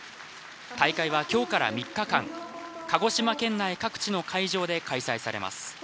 大会は今日から３日間鹿児島県内各地の会場で開催されます。